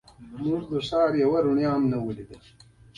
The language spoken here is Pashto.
موږ د ښار هېڅ رڼاوې ونه لیدلې.